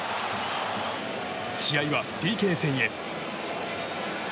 試合はＰＫ戦へ。